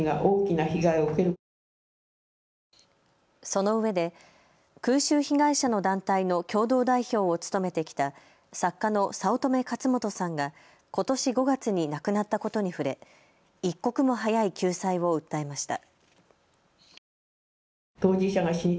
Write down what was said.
そのうえで空襲被害者の団体の共同代表を務めてきた作家の早乙女勝元さんがことし５月に亡くなったことに触れ、一刻も早い救済を訴えました。